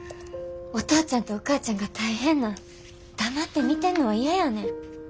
お父ちゃんとお母ちゃんが大変なん黙って見てんのは嫌やねん。